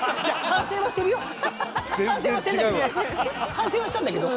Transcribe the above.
反省はしたんだけど。